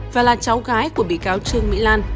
và là cháu gái của bị cáo trương mỹ lan